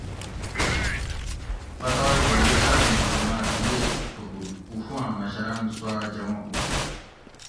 پتایٔ والی صاۤبیں حکوماۤت ییگ تھوکو اڛواۤں مشراۤن سواۤ جمع ہو